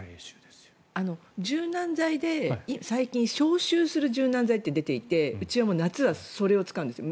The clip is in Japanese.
柔軟剤で消臭する柔軟剤って出ていてうちは夏はそれを使うんです。